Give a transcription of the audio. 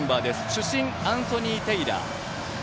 主審、アンソニー・テイラー。